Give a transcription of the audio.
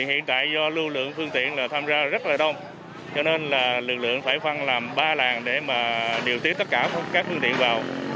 hiện tại do lưu lượng phương tiện tham gia rất là đông cho nên là lực lượng phải phân làm ba làng để mà điều tiết tất cả các phương tiện vào